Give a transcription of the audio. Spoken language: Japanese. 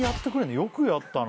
よくやったな。